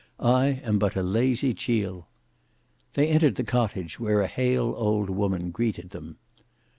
"I am but a lazy chiel." They entered the cottage, where a hale old woman greeted them.